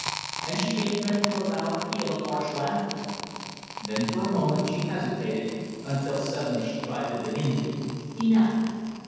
and she gave vent to a loud peal of harsh laughter. Then, for a moment she hesitated, until suddenly she cried to the Hindu: "Enough!"